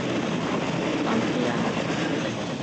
昂蒂安。